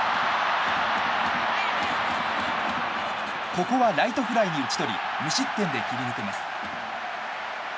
ここはライトフライに打ち取り無失点で切り抜けます。